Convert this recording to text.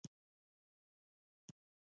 آزاد تجارت مهم دی ځکه چې سبز تکنالوژي رسوي.